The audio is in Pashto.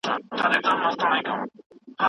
کوچیان سخت او مقاوم خلګ دي.